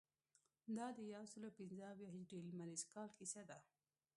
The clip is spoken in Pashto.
دا د یوسلو پنځه اویا هجري لمریز کال کیسه ده.